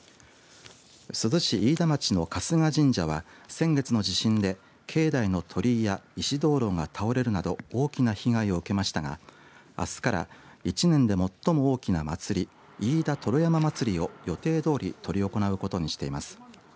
珠洲市飯田町の春日神社は先月の地震で境内の鳥居や石灯籠が倒れるなど大きな被害を受けましたがあすで１年で最も大きな祭り飯田燈籠山祭りを予定どおり執り行うことにしています。